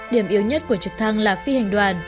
điểm yếu nhất của trực thăng là phi hành đoàn